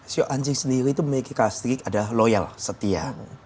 si anjing sendiri itu memiliki karakteristik loyal setia